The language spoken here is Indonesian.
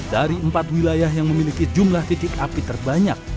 dari empat wilayah yang memiliki jumlah titik api terbanyak